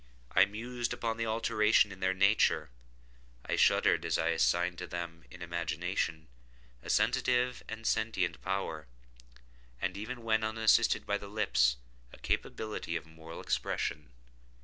I mused upon the alteration in their nature. I shuddered as I assigned to them in imagination a sensitive and sentient power, and even when unassisted by the lips, a capability of moral expression.